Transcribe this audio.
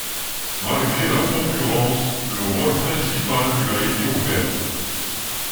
Malgré la concurrence, le rôle principal lui a été offert.